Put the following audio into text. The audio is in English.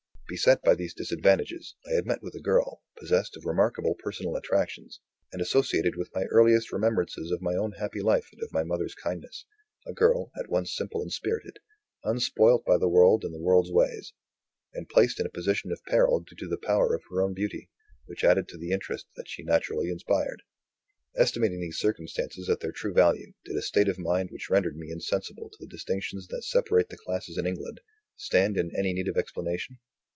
Beset by these disadvantages, I had met with a girl, possessed of remarkable personal attractions, and associated with my earliest remembrances of my own happy life and of my mother's kindness a girl, at once simple and spirited; unspoilt by the world and the world's ways, and placed in a position of peril due to the power of her own beauty, which added to the interest that she naturally inspired. Estimating these circumstances at their true value, did a state of mind which rendered me insensible to the distinctions that separate the classes in England, stand in any need of explanation?